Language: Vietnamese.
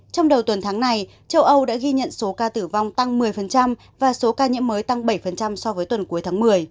trong đầu tuần tháng này châu âu đã ghi nhận số ca tử vong tăng một mươi và số ca nhiễm mới tăng bảy so với tuần cuối tháng một mươi